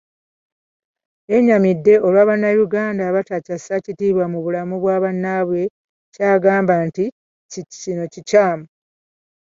Yennyamidde olwa bannayuganda abatakyasa kitiibwa mu bulamu bwa bannaabwe kyagamba nti kino kikyamu.